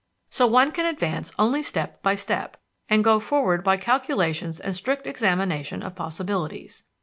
So one can advance only step by step, and go forward by calculations and strict examination of possibilities.